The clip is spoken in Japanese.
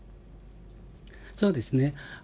そうですね。